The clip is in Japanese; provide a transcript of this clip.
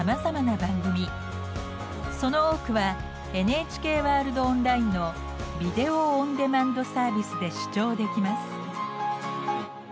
その多くはＮＨＫワールドオンラインのビデオ・オン・デマンド・サービスで視聴できます。